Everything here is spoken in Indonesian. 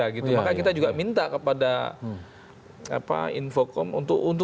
maka kita juga minta kepada info kondisi